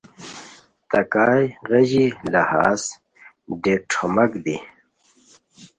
تہ کائے غیژی، لہاز، ڈیک ݯھوماک دی